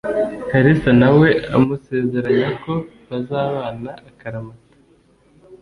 Kalisa nawe amusezeranya ko bazabana akaramata